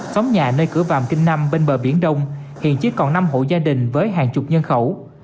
xóm nhà nơi cửa vàm kinh năm bên bờ biển đông hiện chỉ còn năm hộ gia đình với hàng chục nhân khẩu